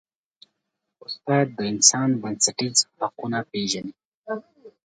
استاد د انسان بنسټیز حقونه پېژني.